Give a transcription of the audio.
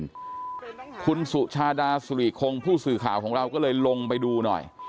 คุณสุชาดาสุริคงผู้สื่อข่าวของเราก็เลยลงไปดูหน่อย